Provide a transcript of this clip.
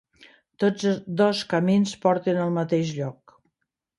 Tots dos camins porten al mateix lloc